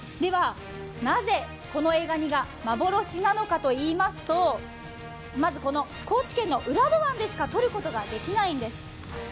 なぜエガニが幻なのかといいますとまず高知県の浦戸湾でしかとることができないんです。